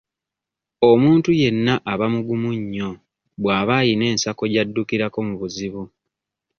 Omuntu yenna aba mugumu nnyo bw'aba ayina ensako gy'addukirako mu buzibu.